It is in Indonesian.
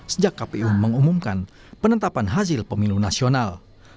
sejak kpu mengumumkan penetapan hasil pemilu nasional